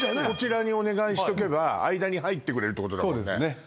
こちらにお願いしとけば間に入ってくれるってことだもんね